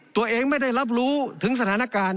ตัวเองไม่ได้รับรู้ถึงสถานการณ์